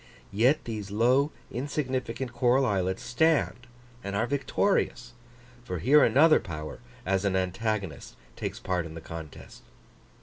Yet these low, insignificant coral islets stand and are victorious: for here another power, as an antagonist, takes part in the contest.